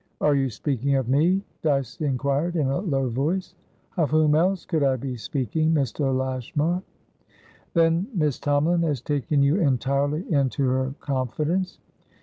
"Are you speaking of me?" Dyce inquired, in a low voice. "Of whom else could I be speaking, Mr. Lashmar?" "Then Miss Tomalin has taken you entirely into her confidence?"